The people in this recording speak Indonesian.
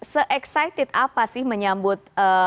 se excited apa sih menyambut